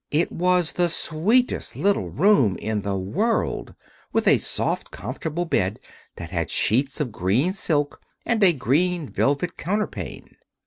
It was the sweetest little room in the world, with a soft comfortable bed that had sheets of green silk and a green velvet counterpane.